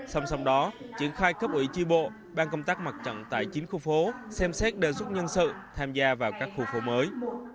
song song đó triển khai cấp ủy chi bộ ban công tác mặt trận tại chín khu phố xem xét đề xuất nhân sự tham gia vào các khu phố mới